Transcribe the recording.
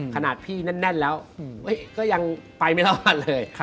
ขนาดพี่แน่นแล้วก็ยังไปไม่รอดเลย